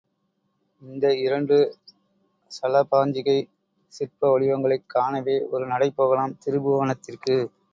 இந்த இரண்டு சலபாஞ்சிகை சிற்பவடிவங்களைக் காணவே ஒரு நடை போகலாம் திரிபுவனத்திற்கு.